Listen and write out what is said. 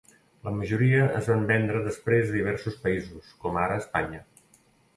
La majoria es van vendre després a diversos països, com ara Espanya.